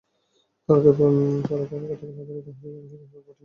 পরে তাঁকে গতকাল আদালতে হাজির করা হলে কারাগারে পাঠানোর আদেশ দেন বিচারক।